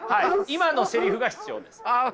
今のセリフが必要です。